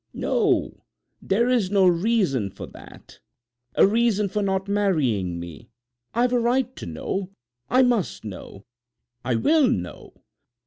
"No; there is no reason for that. A reason for not marrying me. I've a right to know. I must know. I will know!"